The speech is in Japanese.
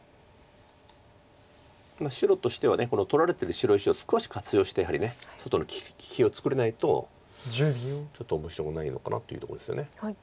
白としては取られてる白石を少し活用してやはり外の利きを作れないとちょっと面白くないのかなというとこですよね。